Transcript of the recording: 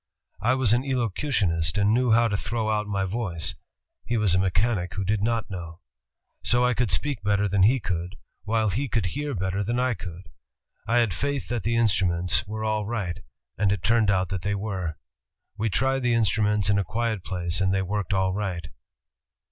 I was an elocutionist and knew how to throw out my voice; he was a mechanic who did not know. So I could speak better than he could, while he could hear better than I could. I had faith that the instruments were all right, and it turned out that they were. We tried the instruments in a quiet place and they worked all right."